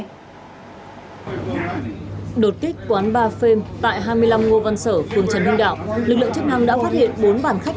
đột kích quán bar phem tại hai mươi năm ngo văn sở phường trần hưng đạo lực lượng chức năng đã phát hiện bốn bàn khách